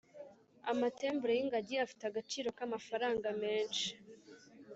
Amatembure y’ingagi afite agaciro k’amafaranga menshi